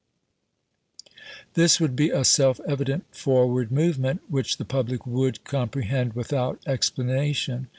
This would be a self evident forward movement, which the public would com prehend without explanation.